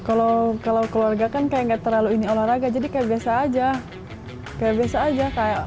kalau kalau keluarga kan kayak nggak terlalu ini olahraga jadi kayak biasa aja kayak biasa aja kayak